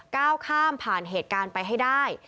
ก้าวข้ามผ่านเหตุการณ์ไปให้ได้